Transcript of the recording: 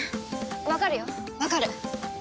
わかるよわかる。